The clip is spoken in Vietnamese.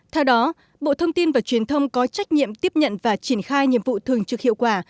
theo đó bộ thông tin và truyền thông có trách nhiệm tiếp nhận và triển khai nhiệm vụ thường trực hiệu quả